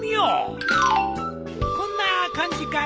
こんな感じかのう？